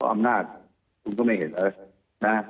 อำนาจคุณก็ไม่เห็นเลยนะ